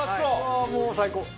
もう最高。